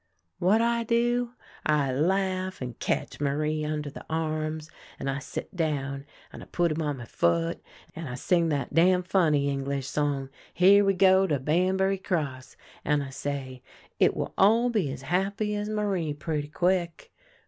"What I do? I laugh and ketch Marie imder the arms, and I sit down, and T put him on my foot, and I sing that damn funny English song —' Here We Go A SON OF THE WILDERNESS 131 to Banbury Cross.' An' I say :' It will be all as happy as Marie pretty quick.